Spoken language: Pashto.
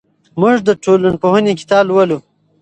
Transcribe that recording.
موږ د ټولنپوهنې کتاب لولو.